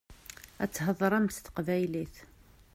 Ad theḍṛem s teqbaylit.